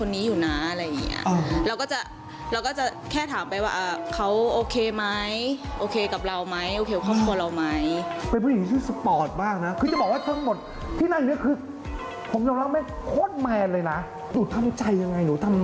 นี่ทำใจอย่างไรหนูทำนั้นหนู